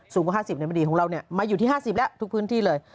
กว่า๕๐ไม่ดีของเรามาอยู่ที่๕๐แล้วทุกพื้นที่เลย